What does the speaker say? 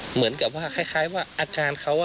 เหมือนกับว่าคล้ายว่าอาการเขา